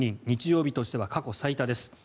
日曜日としては過去最多です。